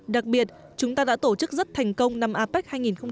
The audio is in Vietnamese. đặc biệt chúng ta đã tổ chức rất thành công năm apec hai nghìn một mươi bảy